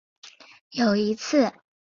有一次他经过花东纵谷